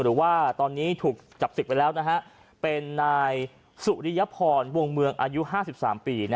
หรือว่าตอนนี้ถูกจับศึกไปแล้วเป็นนายสุริยพรวงเมืองอายุ๕๓ปี